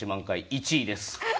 １位です。